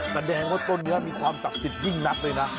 แสดงว่าต้นนี้มีความศักดิ์สิทธิยิ่งนักเลยนะ